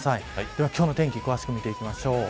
では、今日の天気詳しく見ていきましょう。